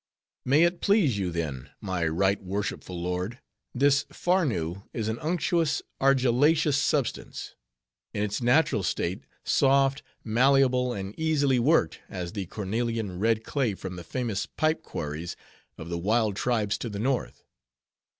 "May it please you, then, my right worshipful lord, this Farnoo is an unctuous, argillaceous substance; in its natural state, soft, malleable, and easily worked as the cornelian red clay from the famous pipe quarries of the wild tribes to the North.